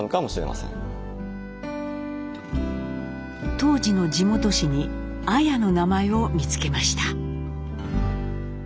当時の地元紙に「綾」の名前を見つけました。